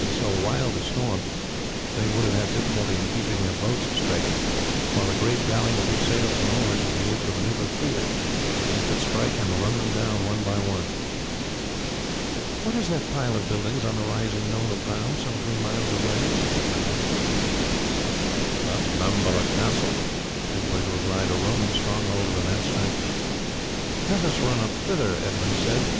In so wild a storm they would have had difficulty in keeping their boats straight, while the great galley with her sails and oars would be able to maneuver freely, and could strike and run them down one by one. "What is that pile of buildings on the rising knoll of ground some three miles away?" Edmund asked. "It is Bamborough Castle," Egbert replied, "a Roman stronghold of immense strength." "Let us run up thither," Edmund said.